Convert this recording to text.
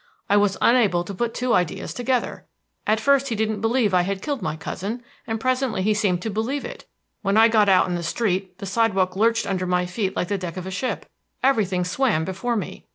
I was unable to put two ideas together. At first he didn't believe I had killed my cousin, and presently he seemed to believe it. When I got out in the street the sidewalk lurched under my feet like the deck of a ship; everything swam before me.